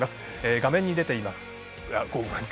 画面に出ています。